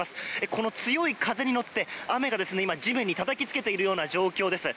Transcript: この強い風に乗って雨が地面にたたきつけているような状況です。